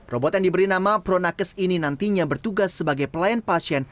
robot yang diberi nama pronakes ini nantinya bertugas sebagai pelayan pasien